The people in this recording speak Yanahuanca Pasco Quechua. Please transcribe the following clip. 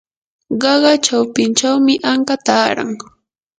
qaqa chawpinchawmi anka taaran.